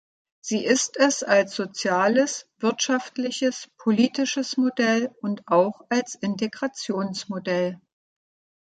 Sie ist es als soziales, wirtschaftliches, politisches Modell und auch als Integrationsmodell.